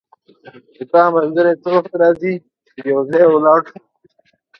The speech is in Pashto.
د تا ملګری څه وخت راځي چی یو ځای لاړ شو